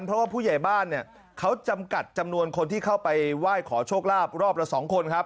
เพราะว่าผู้ใหญ่บ้านเนี่ยเขาจำกัดจำนวนคนที่เข้าไปไหว้ขอโชคลาภรอบละ๒คนครับ